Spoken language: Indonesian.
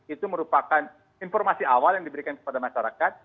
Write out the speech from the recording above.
itu merupakan informasi awal yang diberikan kepada masyarakat